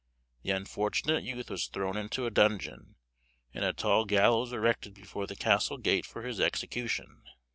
The unfortunate youth was thrown into a dungeon, and a tall gallows erected before the castle gate for his execution.